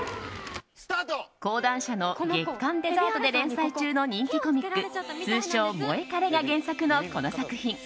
講談社の「月刊デザート」で連載中の人気コミック通称「モエカレ」が原作のこの作品。